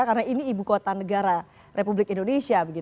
karena ini ibu kota negara republik indonesia